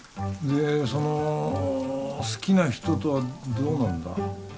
でその好きな人とはどうなんだ？